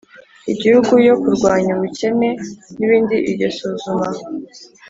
igihugu yo kurwanya ubukene n ibindi Iryo suzuma